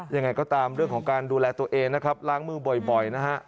ยังไงก็ตามเรื่องของการดูแลตัวเองนะครับล้างมือบ่อยนะฮะ